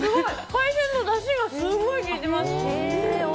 海鮮のだしがすごい効いています。